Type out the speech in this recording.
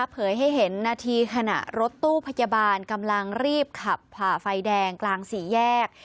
ให้เห็นนาทีขณะรถตู้พยาบาลกำลังรีบขับผ่าไฟแดงกลางสี่แยก